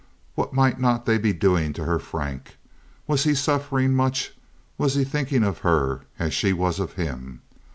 What might not they be doing to her Frank? Was he suffering much? Was he thinking of her as she was of him?